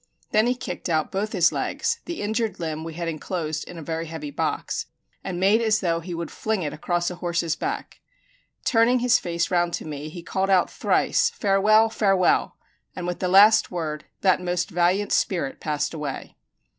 Then he kicked out both his legs the injured limb we had inclosed in a very heavy box and made as though he would fling it across a horse's back. Turning his face round to me, he called out thrice, "Farewell, farewell!" and with the last word that most valiant spirit passed away.